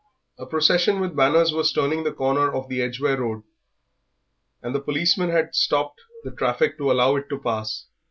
A procession with banners was turning the corner of the Edgware Road, and the policeman had stopped the traffic to allow it to pass.